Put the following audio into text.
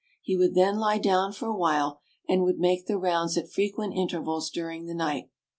He would then lie down for awhile, and would make the rounds at frequent intervals during the night.